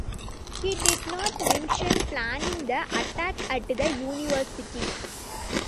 He did not mention planning the attack at the university.